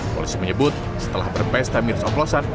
polisi menyebut setelah berpesta miras oplosan